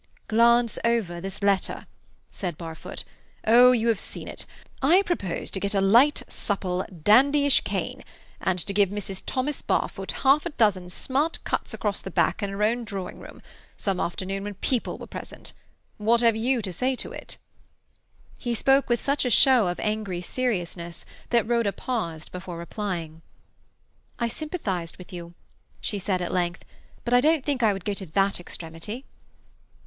"Glance over this letter," said Barfoot. "Oh, you have seen it. I propose to get a light, supple, dandyish cane, and to give Mrs. Thomas Barfoot half a dozen smart cuts across the back in her own drawing room, some afternoon when people were present. What have you to say to it?" He spoke with such show of angry seriousness that Rhoda paused before replying. "I sympathized with you," she said at length, "but I don't think I would go to that extremity."